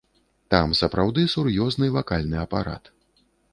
Там сапраўды сур'ёзны вакальны апарат.